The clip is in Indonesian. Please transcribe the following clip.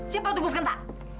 siapa itu bos genta